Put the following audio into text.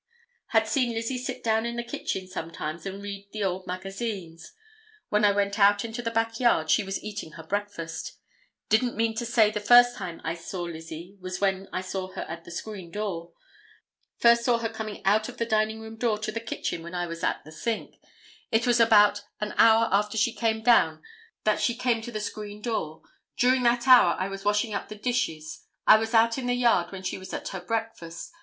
Had seen Lizzie sit down in the kitchen sometimes and read the old magazines. When I went out into the back yard she was eating her breakfast. Didn't mean to say the first time I saw Lizzie was when I saw her at the screen door. First saw her coming out of the dining room door to the kitchen when I was at the sink. It was about an hour after she came down that she came to the screen door. During that hour I was washing up the dishes. I was out in the yard when she was at her breakfast.